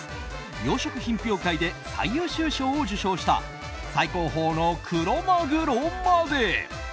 養殖品評会で最優秀賞を受賞した最高峰のクロマグロまで。